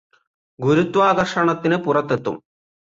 ഗുരുത്വാകര്ഷണത്തിന് പുറത്തെത്തും